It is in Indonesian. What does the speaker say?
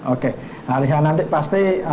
oke hari hari nanti pasti